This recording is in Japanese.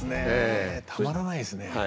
たまらないですね。